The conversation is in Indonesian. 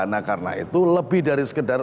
nah karena itu lebih dari sekedar